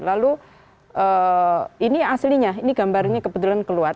lalu ini aslinya ini gambarnya kebetulan keluar